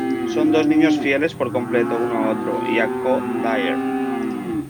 Son dos niños fieles por completo uno a otro y a Kaw-Dyer.